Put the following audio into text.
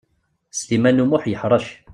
Sliman U Muḥ yeḥṛec.